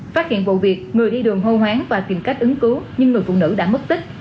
phát hiện vụ việc người đi đường hô hoáng và tìm cách ứng cứu nhưng người phụ nữ đã mất tích